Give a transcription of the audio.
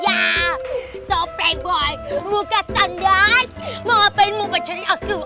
ya so playboy muka standar mau ngapain mau pacarin aku